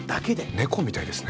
猫みたいですね。